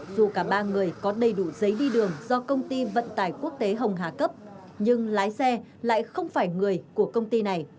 dù cả ba người có đầy đủ giấy đi đường do công ty vận tải quốc tế hồng hà cấp nhưng lái xe lại không phải người của công ty này